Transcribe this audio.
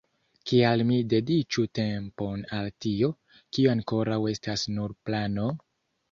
Kial mi dediĉu tempon al tio, kio ankoraŭ estas nur plano?